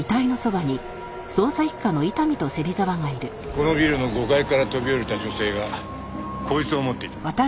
このビルの５階から飛び降りた女性がこいつを持っていた。